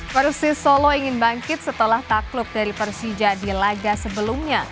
persis solo ingin bangkit setelah takluk dari persija di laga sebelumnya